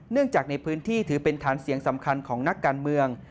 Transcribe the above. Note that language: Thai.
จากในพื้นที่ถือเป็นฐานเสียงสำคัญของนักการเมือง